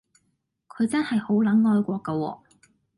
佢真係好撚愛國㗎喎